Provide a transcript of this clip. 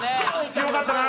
強かったな。